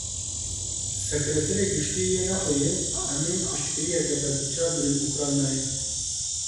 Sekreterê Giştî yê Natoyê, em ê piştgiriyeke berbiçav bidin Ukraynayê.